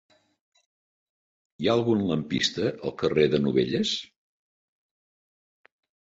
Hi ha algun lampista al carrer de Novelles?